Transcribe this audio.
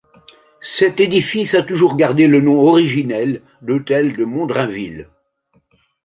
Cet édifice a toujours gardé le nom originel d'hôtel de Mondrainville.